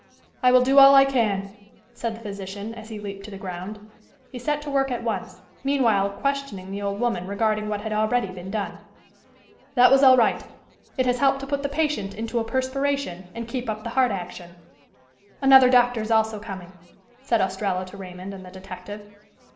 "I will do all I can," said the physician, as he leaped to the ground. He set to work at once, meanwhile questioning the old woman regarding what had already been done. "That was all right it has helped to put the patient into a perspiration and keep up the heart action." "Another doctor is also coming," said Ostrello to Raymond and the detective.